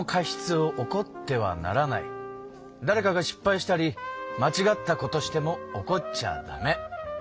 だれかが失敗したりまちがったことしても怒っちゃダメ。